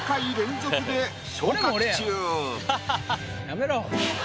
やめろ。